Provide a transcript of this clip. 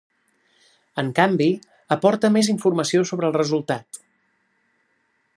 En canvi, aporta més informació sobre el resultat.